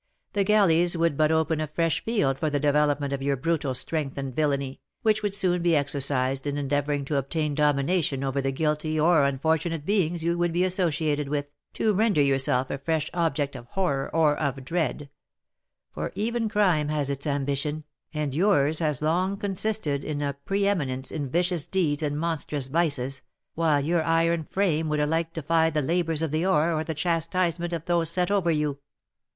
The galleys would but open a fresh field for the development of your brutal strength and villainy, which would soon be exercised in endeavouring to obtain domination over the guilty or unfortunate beings you would be associated with, to render yourself a fresh object of horror or of dread; for even crime has its ambition, and yours has long consisted in a preëminence in vicious deeds and monstrous vices, while your iron frame would alike defy the labours of the oar or the chastisement of those set over you.